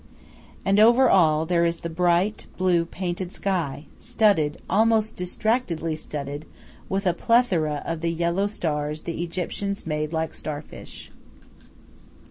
And over all there is the bright, blue, painted sky, studded, almost distractedly studded, with a plethora of the yellow stars the Egyptians made like starfish.